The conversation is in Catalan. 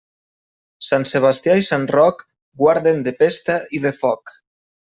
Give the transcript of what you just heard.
Sant Sebastià i sant Roc guarden de pesta i de foc.